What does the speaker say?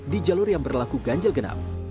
di jalur yang berlaku ganjil genap